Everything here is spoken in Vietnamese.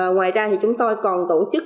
ngoài ra chúng tôi còn tổ chức